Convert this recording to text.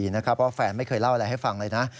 เพราะแฟนไม่เคยเล่าอะไรให้ฟังเลยนะ